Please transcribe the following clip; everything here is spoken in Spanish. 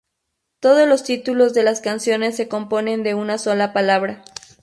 Todos los títulos de las canciones se componen de una sola palabra.